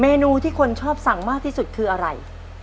นูที่คนชอบสั่งมากที่สุดคืออะไร